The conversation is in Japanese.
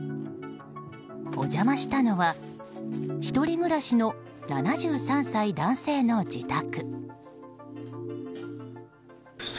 お邪魔したのは１人暮らしの７３歳男性の自宅。